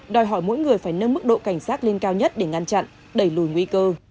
đòi hỏi mỗi người phải nâng mức độ cảnh sát lên cao nhất để ngăn chặn đẩy lùi nguy cơ